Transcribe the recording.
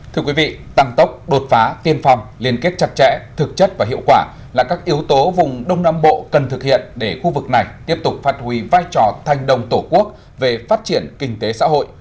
thưa quý vị tăng tốc đột phá tiên phong liên kết chặt chẽ thực chất và hiệu quả là các yếu tố vùng đông nam bộ cần thực hiện để khu vực này tiếp tục phát huy vai trò thanh đồng tổ quốc về phát triển kinh tế xã hội